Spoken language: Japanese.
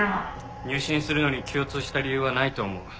入信するのに共通した理由はないと思う。